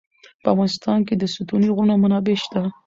په افغانستان کې د ستوني غرونه منابع شته.